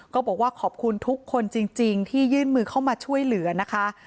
ก็บอกว่าขอบคุณทุกคนจริงที่ยื่นมือเข้ามาช่วยเหลือนะคะ